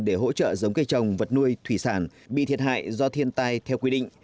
để hỗ trợ giống cây trồng vật nuôi thủy sản bị thiệt hại do thiên tai theo quy định